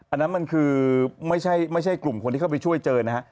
อันนั้นมันคือไม่ใช่กลุ่มคนที่เข้าไปช่วยเจอนะฮะ